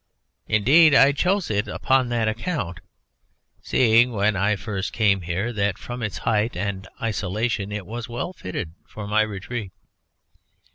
Indeed, I chose it upon that account, seeing, when I first came here, that from its height and isolation it was well fitted for my retreat."